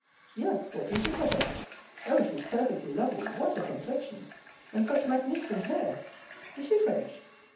"Yes; what do you think of her?" "Oh, she is perfectly lovely—what a complexion! And such magnificent hair! Is she French?"